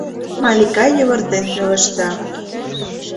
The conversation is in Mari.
— Малика йывыртен пелешта.